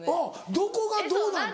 どこがどうなんの？